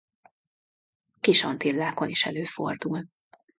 A Kis-Antillákon is előfordul.